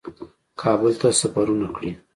کابل ته سفرونه کړي